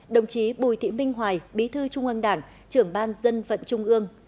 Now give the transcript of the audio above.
đồng chí bùi thị minh hoài bí thư trung ương đảng trưởng ban dân vận trung ương